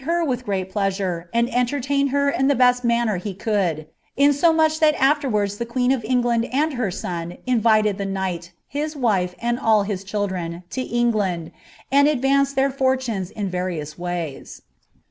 her with great pleasure, and enlerlained her in the best manner he coidd, I insomuch that afterwards the queen of England and her son invited ibt I knight, his wife, and all his children, to England, and advanced tf "' fortunes in various ways."